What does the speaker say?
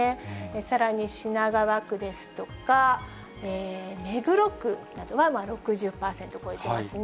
さらに品川区ですとか、目黒区などは６０％を超えていますね。